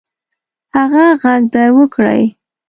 هغه ږغ در وکړئ.